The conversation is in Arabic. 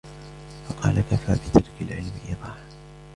فَقَالَ كَفَى بِتَرْكِ الْعِلْمِ إضَاعَةٌ